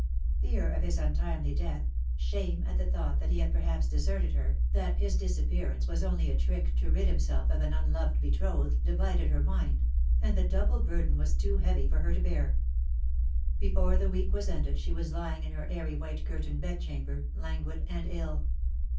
Fear of his untimely death, shame at the thought that he had perhaps deserted her, that his disappearance was only a trick to rid himself of an unloved betrothed, divided her wiind ; and the double burden was too heavy for her to bear. Lost for Love. 173 Before the week was ended she was lying in her airy white curtained bedchamber, languid and ill.